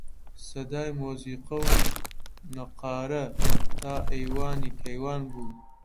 سەدای مۆزیقە و نەققارە تا ئەیوانی کەیوان بوو